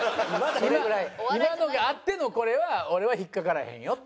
今今のがあってのこれは俺は引っかからへんよって。